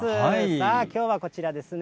さあ、きょうはこちらですね。